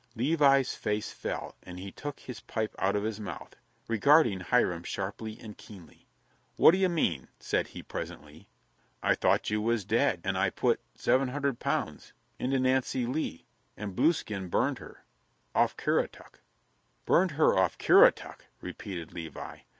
Levi's face fell and he took his pipe out of his mouth, regarding Hiram sharply and keenly. "What d'ye mean?" said he presently. "I thought you was dead and I put seven hundred pounds into Nancy Lee and Blueskin burned her off Currituck." "Burned her off Currituck!" repeated Levi.